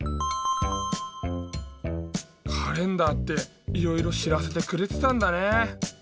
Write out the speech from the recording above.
カレンダーっていろいろしらせてくれてたんだね。